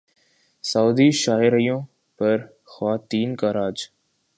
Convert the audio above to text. سعودی شاہراہوں پر خواتین کا راج